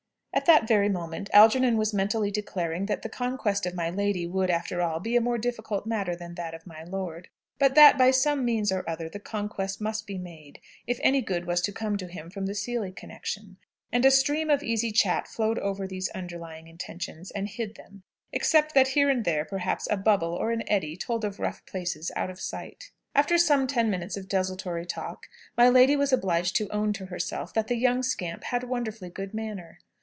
At that very moment Algernon was mentally declaring that the conquest of my lady would, after all, be a more difficult matter than that of my lord; but that, by some means or other, the conquest must be made, if any good was to come to him from the Seely connection. And a stream of easy chat flowed over these underlying intentions and hid them, except that here and there, perhaps, a bubble or an eddy told of rough places out of sight. After some ten minutes of desultory talk, my lady was obliged to own to herself that the "young scamp" had a wonderfully good manner.